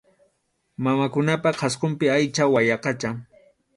Mamakunapa qhasqunpi aycha wayaqacha.